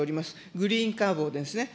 グリーンカーボンですね。